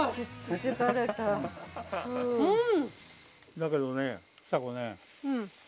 だけどねちさ子ね。